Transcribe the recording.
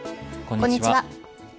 こんにちは。